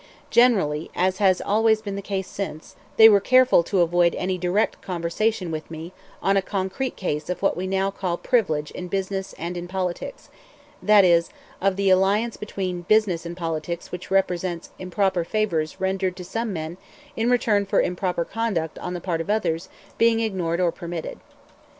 Generally, as has been always the case since, they were careful to avoid any direct conversation with me on a concrete case of what we now call "privilege" in business and in politics, that is, of the alliance between business and politics which represents improper favors rendered to some men in return for improper conduct on the part of others being ignored or permitted.